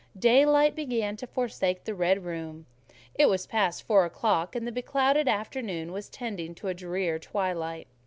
Daylight began to forsake the red room; it was past four o'clock, and the beclouded afternoon was tending to drear twilight.